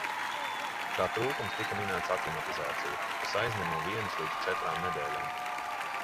Kā trūkums tika minēta aklimatizācija, kas aizņem no vienas līdz četrām nedēļām.